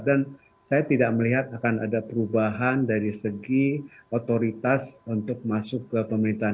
dan saya tidak melihat akan ada perubahan dari segi otoritas untuk masuk ke pemerintahan